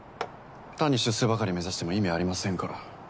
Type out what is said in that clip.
単に出世ばかり目指しても意味ありませんから。